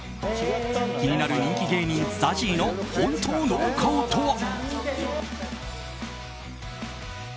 気になる人気芸人ＺＡＺＹの本当の顔とは。